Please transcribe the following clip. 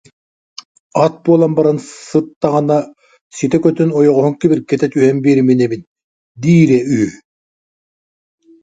Ат буолан баран сыттаҕына, ситэ көтөн ойоҕоһун кибиргэтэ түһэн биэриминэбин диирэ үһү